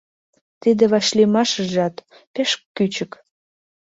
Тиде вашлиймашыжат пеш кӱчык.